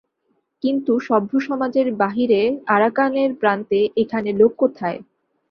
কিন্তু, সভ্যসমাজের বাহিরে আরাকানের প্রান্তে এখানে লোক কোথায়।